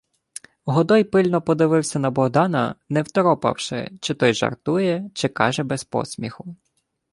Годой пильно подивився на Богдана, не второпавши, чи той жартує, чи каже без посміху.